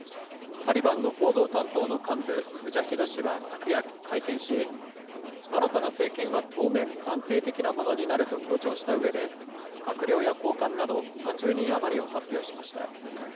タリバンの報道担当の幹部、ムジャヒド氏は昨夜会見し、新たな政権は当面暫定的なものになると強調したうえで、閣僚や高官など、３０人余りを発表しました。